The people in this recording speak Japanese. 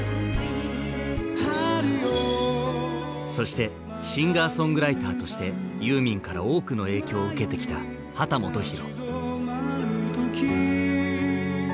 そしてシンガーソングライターとしてユーミンから多くの影響を受けてきた秦基博。